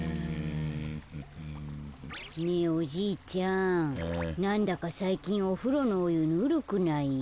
ねえおじいちゃんなんだかさいきんおふろのおゆぬるくない？